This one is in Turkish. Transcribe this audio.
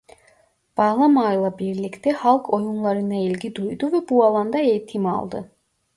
Bağlamayla birlikte halk oyunlarına ilgi duydu ve bu alanda eğitim aldı.